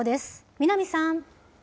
南さん。